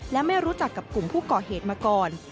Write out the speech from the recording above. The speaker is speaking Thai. และไม่รู้จักกับกลุ่มผู้ก่อเหตุมาก่อน